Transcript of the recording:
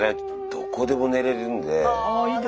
どこでも寝れるんで。